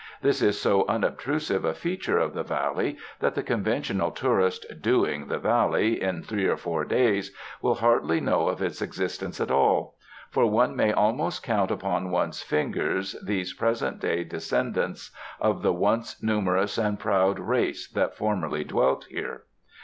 This is so unobtrusive a feature of the Valley that the conventional tourist "doing" the Valley in three or four days will hardly know of its existence at all; for one may almost count upon one's fingers these present day descendants of the once numerous and proud race that formerly dwelt here.